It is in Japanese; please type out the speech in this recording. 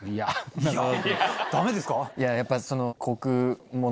ダメですか？